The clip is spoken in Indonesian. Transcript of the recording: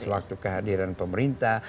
waktu kehadiran pemerintah